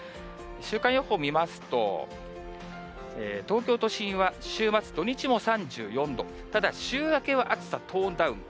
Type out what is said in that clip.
週間予報を見ますと、東京都心は週末、土日も３４度、ただ、週明けは暑さトーンダウン。